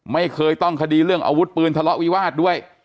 ไม่เคยต้องคดีเรื่องอาวุธปืนทะเลาะวิวาสด้วย